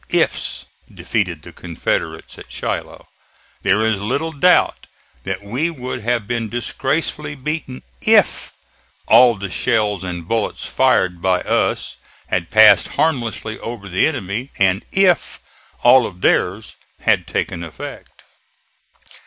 IFS defeated the Confederates at Shiloh. There is little doubt that we would have been disgracefully beaten IF all the shells and bullets fired by us had passed harmlessly over the enemy and IF all of theirs had taken effect.